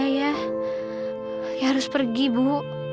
lia harus pergi bu